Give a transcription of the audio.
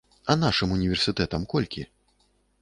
А нашым універсітэтам колькі?